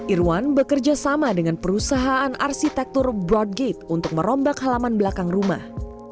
irwan bekerja sama dengan perusahaan arsitektur broad gate untuk merombak halaman belakang rumah